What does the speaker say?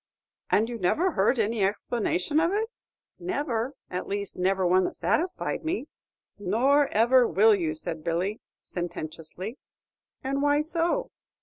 "And you never heard any explanation of it?" "Never; at least, never one that satisfied me." "Nor ever will you," said Billy, sententiously. "And why so?"